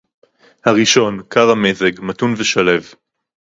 הָרִאשׁוֹן קַר־הַמֶּזֶג, מָתוּן וְשָׁלֵו